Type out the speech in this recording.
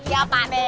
iya pak d